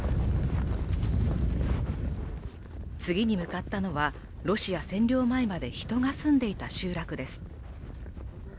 次に向かったのはロシア占領前まで人が住んでいた集落です。